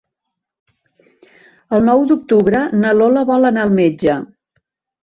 El nou d'octubre na Lola vol anar al metge.